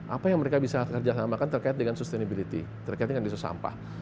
apa yang mereka bisa kerjasamakan terkait dengan sustainability terkait dengan isu sampah